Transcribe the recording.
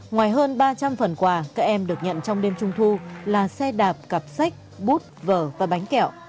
ngoài hơn ba trăm linh phần quà các em được nhận trong đêm trung thu là xe đạp cặp sách bút vở và bánh kẹo